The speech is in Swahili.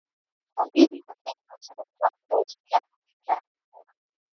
Usafiri wa meli na utalii wa cruise pia huendelea kukua